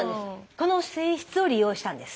この性質を利用したんです。